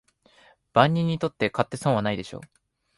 万人にとって買って損はないでしょう